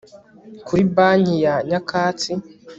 Kuri banki ya nyakatsi